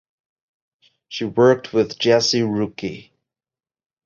She worked with Jessie Rooke.